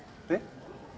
えっ？